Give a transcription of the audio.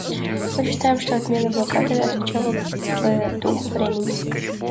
Мы считаем, что отмена блокады отвечала бы духу времени.